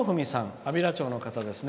安平町の方ですね。